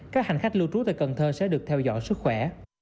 các hành khách lưu trú tại cần thơ sẽ được theo dõi sức khỏe